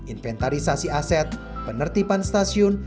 inventarisasi aset penertiban stasiun